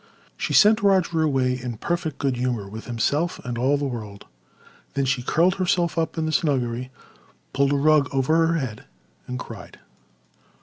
She sent Roger away in perfect good humour with himself and all the world, then she curled herself up in the snuggery, pulled a rug over her head, and cried.